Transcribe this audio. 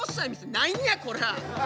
何やこら！